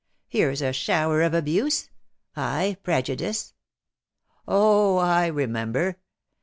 Kerens a shower of abuse ! I prejudice 1 Oh ! I remember.